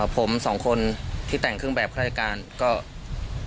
ผมสองคนที่แต่งเครื่องแบบเครื่องรายการ